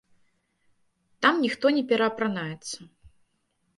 Там ніхто не пераапранаецца.